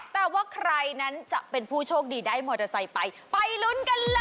แต่ว่าใครนั้นจะเป็นผู้โชคดีได้มอเตอร์ไซค์ไปไปลุ้นกันเลย